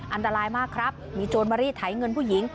อันตรายมากครับมีโจรมารีดไถเงินผู้หญิง